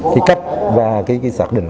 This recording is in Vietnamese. cái cách và cái xác định